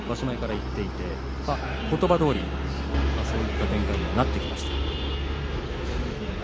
前から言っていてことばどおり、そういった展開にはなってきています。